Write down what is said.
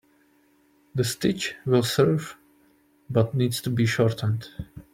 The stitch will serve but needs to be shortened.